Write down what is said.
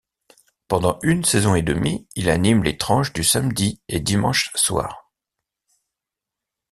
Pendant une saison et demie, il anime les tranches du samedi et dimanche soir.